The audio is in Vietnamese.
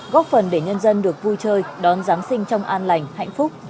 góp phần để nhân dân được vui chơi đón giáng sinh trong an lành hạnh phúc